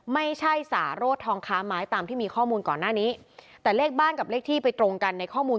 ไม่รู้จักครับยืนยัน